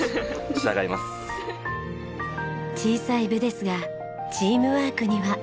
小さい部ですがチームワークには自信あり。